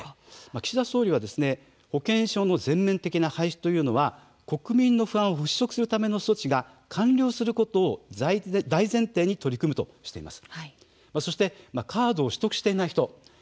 岸田総理は保険証の全面的な廃止は国民が不安を払拭するための措置が完了することが大前提に取り組むとしています。